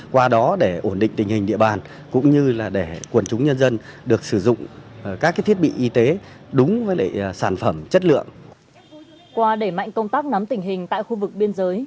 qua để mạnh công tác nắm tình hình tại khu vực biên giới